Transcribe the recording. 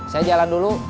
saya jalan dulu